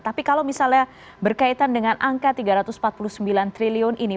tapi kalau misalnya berkaitan dengan angka tiga ratus empat puluh sembilan triliun ini